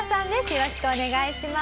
よろしくお願いします。